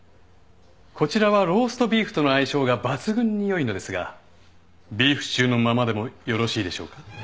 こちらはローストビーフとの相性が抜群に良いのですがビーフシチューのままでもよろしいでしょうか？